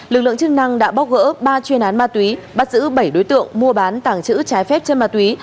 lực lượng chức năng đã bóc gỡ ba chuyên án mặt tuy bắt giữ bảy đối tượng mua bán tảng chữ trái phép trên mặt tuy